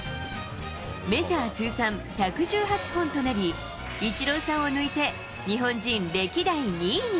メジャー通算１１８本となり、イチローさんを抜いて、日本人歴代２位に。